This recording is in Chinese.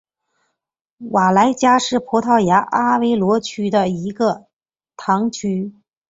瓦莱加是葡萄牙阿威罗区的一个堂区。